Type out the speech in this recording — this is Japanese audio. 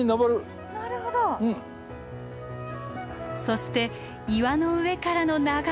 そして岩の上からの眺めは。